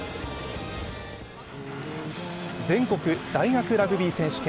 全国大学ラグビー選手権。